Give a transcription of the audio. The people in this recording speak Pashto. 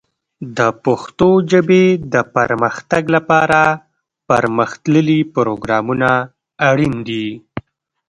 د پښتو ژبې د پرمختګ لپاره پرمختللي پروګرامونه اړین دي.